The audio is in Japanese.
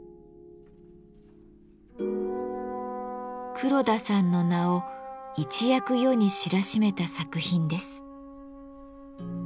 黒田さんの名を一躍世に知らしめた作品です。